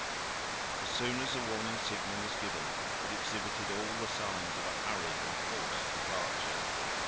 As soon as the warning signal was given, it exhibited all the signs of a hurried and forced departure.